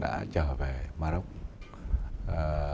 đã trở về morocco